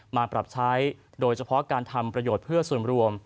มาปรับใช้โดยเฉพาะการทำประโยชน์เพื่อส่วนรวม